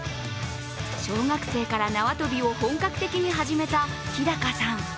小学生から縄跳びを本格的に始めた日高さん。